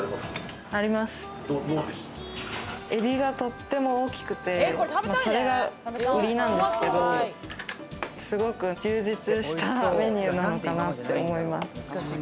エビがとっても大きくて、それが売りなんですけど、すごく充実したメニューなのかなって思います。